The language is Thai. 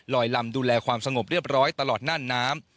ลำดูแลความสงบเรียบร้อยตลอดน่านน้ำ